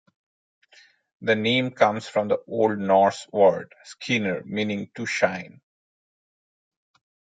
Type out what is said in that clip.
The name comes from the Old Norse word "skinr", meaning "to shine".